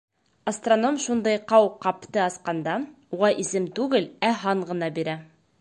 Астроном шундай ҡауҡабты асҡанда уға исем түгел, ә һан ғына бирә.